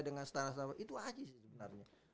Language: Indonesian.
dengan standar standar itu aja sih sebenarnya